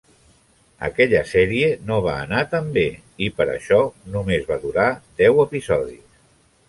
Aquella sèrie no va anar tan bé i per això només va durar deu episodis.